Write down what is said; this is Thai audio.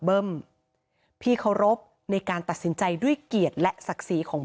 เบิ้มพี่เคารพในการตัดสินใจด้วยเกียรติและศักดิ์ศรีของ